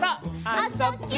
「あ・そ・ぎゅ」